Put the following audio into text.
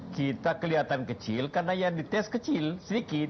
kita kelihatan kecil karena yang dites kecil sedikit